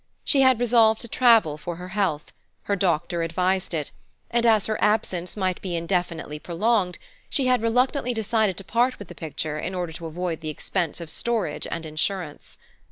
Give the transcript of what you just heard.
She had resolved to travel for her health; her doctor advised it, and as her absence might be indefinitely prolonged she had reluctantly decided to part with the picture in order to avoid the expense of storage and insurance.